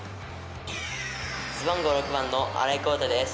背番号６番の新井宏大です。